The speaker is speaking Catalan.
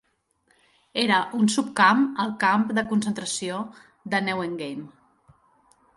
Era un subcamp al camp de concentració de Neuengamme.